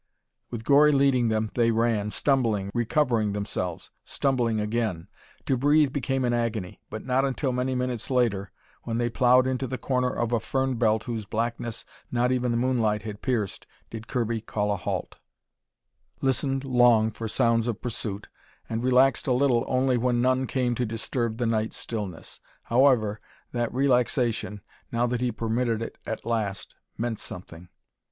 With Gori leading them they ran, stumbling, recovering themselves, stumbling again. To breathe became an agony. But not until many minutes later, when they plowed into the cover of a fern belt whose blackness not even the moonlight had pierced, did Kirby call a halt. Here he swept a final glance behind him, listened long for sounds of pursuit, and relaxed a little only when none came to disturb the night stillness. However, that relaxation, now that he permitted it at last, meant something.